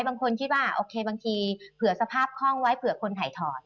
บางคนคิดว่าโอเคบางทีเผื่อสภาพคล่องไว้เผื่อคนถ่ายถอด